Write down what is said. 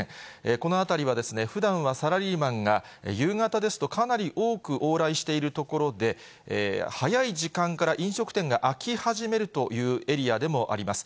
この辺りは、ふだんはサラリーマンが夕方ですと、かなり多く往来している所で、早い時間から飲食店が開き始めるというエリアでもあります。